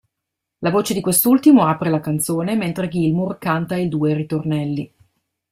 La voce di quest'ultimo apre la canzone, mentre Gilmour canta i due ritornelli.